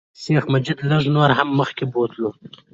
شیخ مجید لږ نور هم مخکې بوتلو.